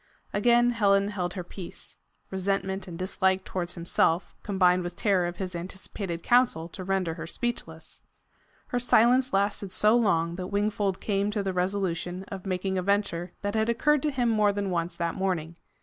Again Helen held her peace. Resentment and dislike towards himself combined with terror of his anticipated counsel to render her speechless. Her silence lasted so long that Wingfold came to the resolution of making a venture that had occurred to him more than once that morning.